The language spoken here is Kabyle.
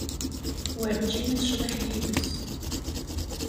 Werǧin i tecḍiḥ yid-s.